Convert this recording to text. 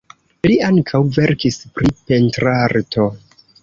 Li ankaŭ verkis pri pentrarto.